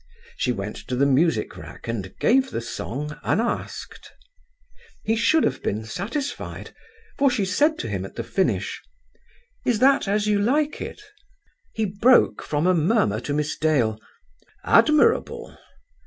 She went to the music rack and gave the song unasked. He should have been satisfied, for she said to him at the finish, "Is that as you like it?" He broke from a murmur to Miss Dale, "Admirable."